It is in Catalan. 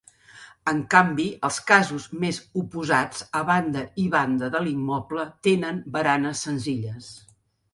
En canvi, els casos més oposats, a banda i banda de l'immoble, tenen baranes senzilles.